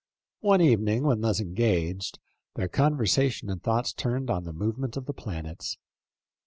One evening, when thus engaged, their conversation and thoughts turned on the movement of the planets.